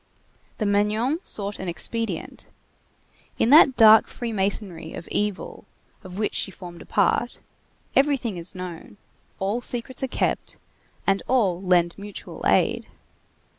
The Magnon sought an expedient. In that dark free masonry of evil of which she formed a part, everything is known, all secrets are kept, and all lend mutual aid.